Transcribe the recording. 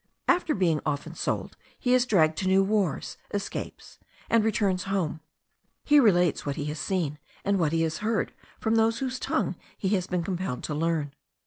After being often sold, he is dragged to new wars, escapes, and returns home; he relates what he has seen, and what he has heard from those whose tongue he has been compelled to learn.